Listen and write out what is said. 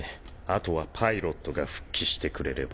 △箸パイロットが復帰してくれれば。